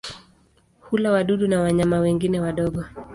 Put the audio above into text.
Hula wadudu na wanyama wengine wadogo.